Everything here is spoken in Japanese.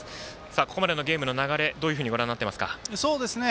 ここまでのゲームの流れどういうふうにご覧になっていますか。